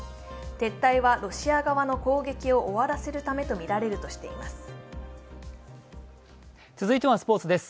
撤退は、ロシア側の攻撃を終わらせるためとみられるとしています。